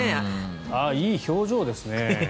いい表情ですね。